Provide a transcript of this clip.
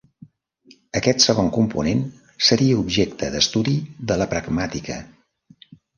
Aquest segon component seria objecte d'estudi de la pragmàtica.